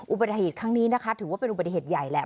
อุบัติเหตุครั้งนี้นะคะถือว่าเป็นอุบัติเหตุใหญ่แหละ